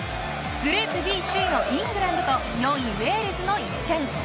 グループＢ首位のイングランドと４位ウェールズの一戦。